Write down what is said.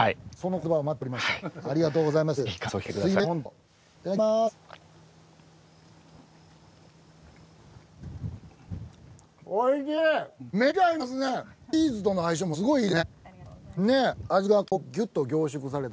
その言葉を待っておりました。